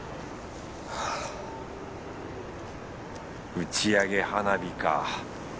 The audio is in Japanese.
打ち上げ花火か。